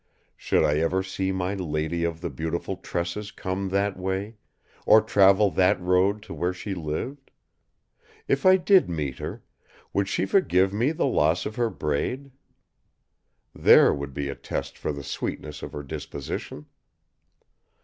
Should I ever see my Lady of the Beautiful Tresses come that way, or travel that road to where she lived? If I did meet her, would she forgive me the loss of her braid? There would be a test for the sweetness of her disposition!